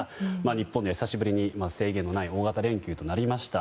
日本で久しぶりに制限のない大型連休になりました。